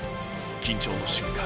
緊張の瞬間。